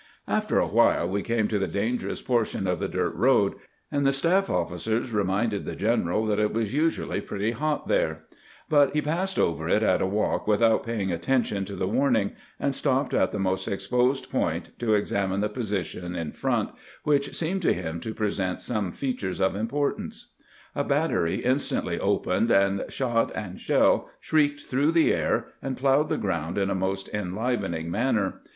After a while we came to the dangerous portion of the du"t road, and the staff officers reminded the general that it was usually pretty hot there ; but he passed over it at a walk without paying attention to the warning, and stopped at the most exposed point to examine the position in front, which seemed to him to present some features of importance. A' battery instantly opened, and shot and shell shrieked through the air, and plowed the ground in a most enlivening manner.